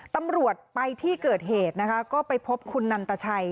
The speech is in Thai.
ตำรวจไปที่เกิดเหตุนะคะก็ไปพบคุณนันตชัย